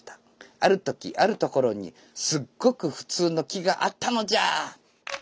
「あるときあるところにすっごくふつうの木があったのじゃー！！」